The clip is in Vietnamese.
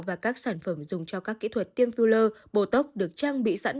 và các sản phẩm dùng cho các kỹ thuật tiêm phiêu lơ bô tốc được trang bị sẵn